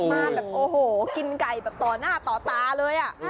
มาแบบโอ้โหกินไก่แบบต่อหน้าต่อตาเลย